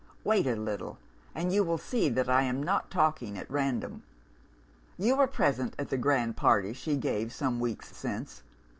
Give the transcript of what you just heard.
Wait a little, and you will see that I am not talking at random. You were present at the grand party she gave some week's since?